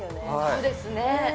そうですね